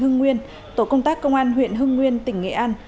hưng nguyên tổ công tác công an huyện hưng nguyên tỉnh nghệ an